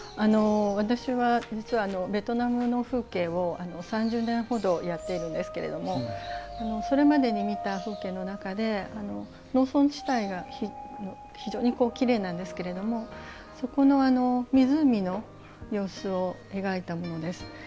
私は実はベトナムの風景を３０年ほどやっているんですけれどもそれまでに見た風景の中で農村地帯が非常にきれいなんですけれどもそこの湖の様子を描いたものです。